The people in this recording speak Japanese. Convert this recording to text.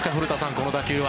この打球は。